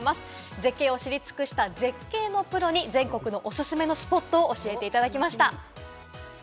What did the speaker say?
絶景を知り尽くした絶景のプロに、全国のおすすめのスポットを教えていただきました。